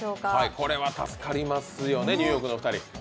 これは助かりますよね、ニューヨークのお二人。